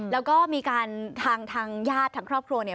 แล้วก็มีการทางย่ัดทางครอบครัว